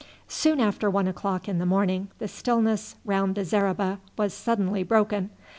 Soon after one o'clock in the morning the stillness round the zareba was suddenly broken.